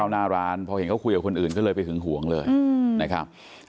หน้าร้านพอเห็นเขาคุยกับคนอื่นก็เลยไปหึงห่วงเลยนะครับ